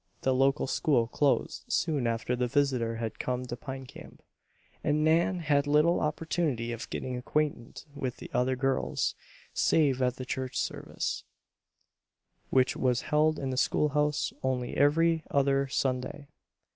The local school closed soon after the visitor had come to Pine Camp, and Nan had little opportunity of getting acquainted with other girls, save at the church service, which was held in the schoolhouse only every other Sunday.